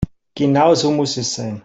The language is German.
Genau so muss es sein.